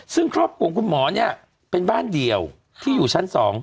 ซึ่งครอบครัวของคุณหมอเนี่ยเป็นบ้านเดียวที่อยู่ชั้น๒